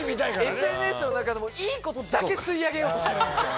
ＳＮＳの中でもいいことだけ吸い上げようとしてるんですよ。